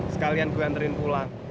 sekalian gue anterin pulang